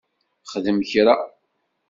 Xdem kra!